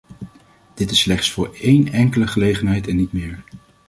Dit is slechts voor één enkele gelegenheid en niet meer.